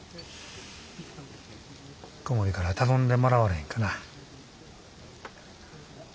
小森から頼んでもらわれへんかな。